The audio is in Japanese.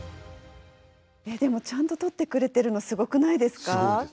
でもちゃんと撮ってくれてるのすごくないですか。